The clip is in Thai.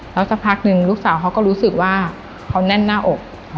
แล้วสักพักหนึ่งลูกสาวเขาก็รู้สึกว่าเขาแน่นหน้าอก